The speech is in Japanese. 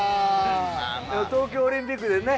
東京オリンピックでね。